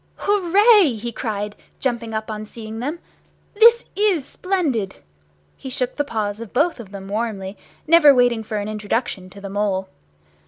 "Hooray!" he cried, jumping up on seeing them, "this is splendid!" He shook the paws of both of them warmly, never waiting for an introduction to the Mole.